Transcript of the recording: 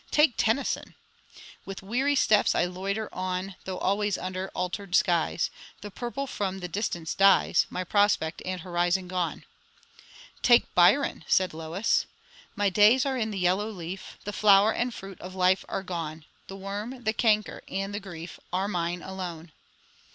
"Take Tennyson 'With weary steps I loiter on, Though always under altered skies; The purple from the distance dies, My prospect and horizon gone.'" "Take Byron," said Lois 'My days are in the yellow leaf, The flower and fruit of life are gone; The worm, the canker, and the grief, Are mine alone.'"